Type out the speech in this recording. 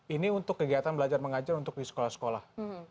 ini untuk kegiatan belajar mengajar untuk di sekolah sekolah